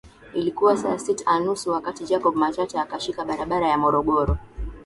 Ilikuwa saa sit ana nusu wakati Jacob Matata akishika barabara ya Morogoro